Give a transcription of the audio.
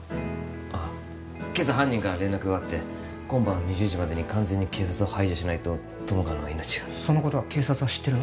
あっ今朝犯人から連絡があって今晩２０時までに完全に警察を排除しないと友果の命がそのことは警察は知ってるの？